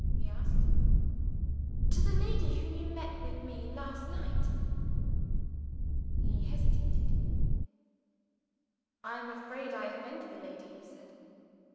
he asked. "To the lady whom you met with me last night." He hesitated. "I am afraid I offended the lady," he said.